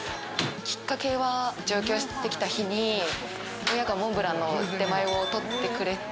きっかけは上京して来た日に、親がモンブランの出前を取ってくれて。